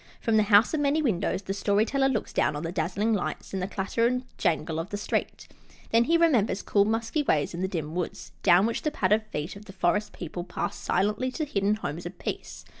From the House of Many Windows the Story Teller looks down on the dazzling lights and the clatter and jangle of the street. Then he remembers cool, musky ways in the dim woods, down which the padded feet of the forest people pass silently to hidden homes of peace.